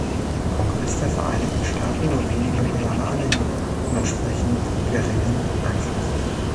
Kongress der Vereinigten Staaten nur wenige loyale Anhänger und entsprechend geringen Einfluss.